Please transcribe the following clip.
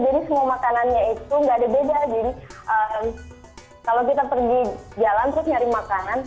jadi kalau kita pergi jalan terus nyari makanan